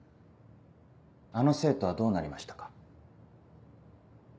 あの生徒はどうなりましたか？